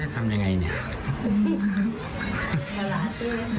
ก็จะทำยังไงเนี่ย